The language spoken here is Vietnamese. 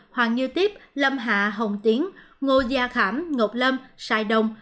hoàng như tiếp lâm hạ hồng tiến ngô gia khảm ngọc lâm sài đồng